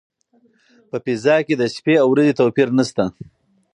په فضا کې د شپې او ورځې توپیر نشته.